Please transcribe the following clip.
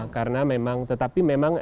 karena memang tetapi memang